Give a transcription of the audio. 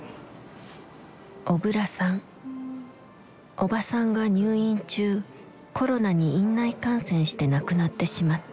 おばさんが入院中コロナに院内感染して亡くなってしまった。